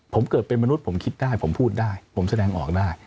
ผมเกิดเป็นมนุษย์ผมคิดได้ผมพูดได้ผมแสดงออกได้